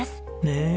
ねえ。